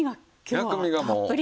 薬味がもう。